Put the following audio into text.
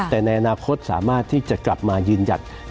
แต่ในอนาคตสามารถที่จะกลับมายืนหยัด